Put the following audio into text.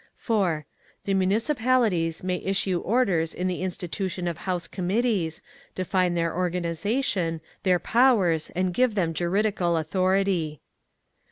4. The Municipalities may issue orders on the institution of House Committees, define their organisation, their powers and give them juridical authority.